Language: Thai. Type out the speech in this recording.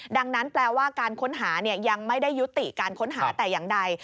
ดังนั้นแปลว่าการค้นหายังไม่ได้ยุติการค้นหาแต่อย่างใด